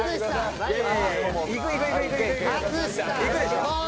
いくでしょ。